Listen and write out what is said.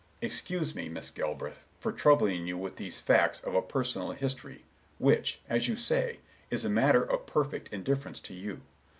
Excuse me, Miss Galbraith, for troubling you with these facts of a personal history, which, as you say, is a matter of perfect indifference to you.